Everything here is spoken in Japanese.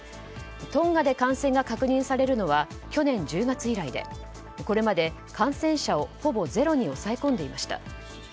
トンガで感染が確認されるのは去年１０月以来でこれまで感染者をほぼゼロに抑え込んでいました。